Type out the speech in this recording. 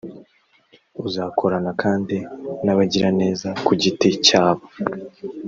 uzakorana kandi n abagiraneza ku giti cyabo